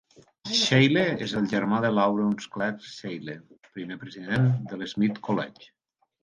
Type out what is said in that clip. Seelye és el germà de Laurenus Clark Seelye, primer president del Smith College.